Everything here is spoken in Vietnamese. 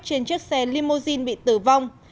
trên chiếc xe limousine bị tử vong